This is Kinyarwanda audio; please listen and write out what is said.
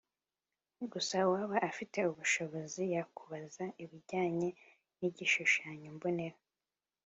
Gusa uwaba afite ubushobozi yakubaka ibijyanye n’igishushanyo mbonera